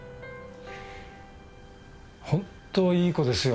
本当にいい子ですよ